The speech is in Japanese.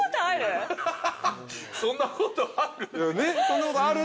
◆そんなことある！？